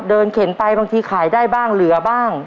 เข็นไปบางทีขายได้บ้างเหลือบ้าง